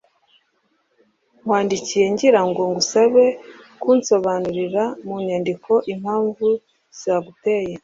nkwandikiye ngira ngo ngusabe kunsobanurira mu nyandiko impamvu zaguteye